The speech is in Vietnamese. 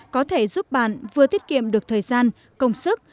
có thể giúp bạn vừa tiết kiệm được thời gian công sức